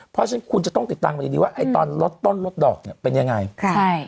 เพราะฉะนั้นคุณจะต้องติดตามดีว่าตอนลดต้นลดดอกเป็นอย่างไร